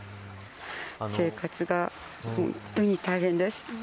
生活が本当に大変です。